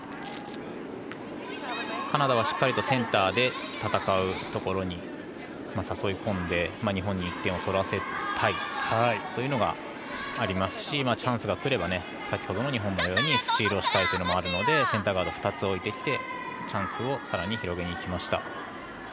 カナダはしっかりとセンターで戦うところに誘い込んで日本に１点を取らせたいというのがありますしチャンスがくれば先ほどの日本のようにスチールしたいというのもあるのでセンターガードを２つ置いてきてチャンスをさらに広げにきました。